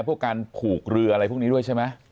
พวกการผูกเรืออะไรพวกนี้ด้วยใช่ไหม